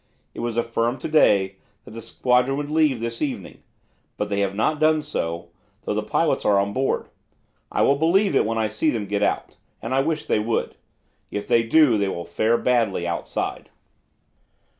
It was affirmed to day that the squadron would leave this evening, but they have not done so, though the pilots are on board. I will believe it when I see them get out, and I wish they would. If they do, they will fare badly outside."